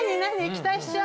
期待しちゃう。